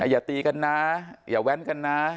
อย่าตีกันนะอย่าแว้นกันนะ